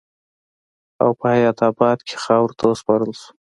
او پۀ حيات اباد کښې خاورو ته وسپارل شو